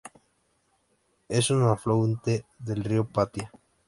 Es un afluente del río Patía.